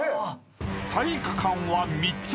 ［体育館は３つ］